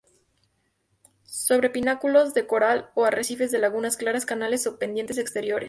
Sobre pináculos de coral o arrecifes de lagunas claras, canales o pendientes exteriores.